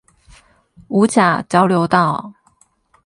五甲交流道